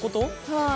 はい。